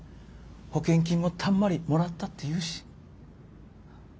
保険金もたんまりもらったっていうし。